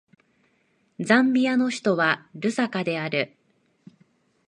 ザンビアの首都はルサカである